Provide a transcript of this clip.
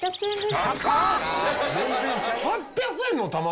８００円の卵！？